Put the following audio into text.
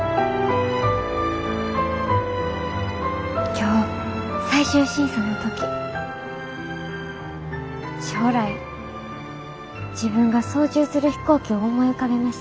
今日最終審査の時将来自分が操縦する飛行機を思い浮かべました。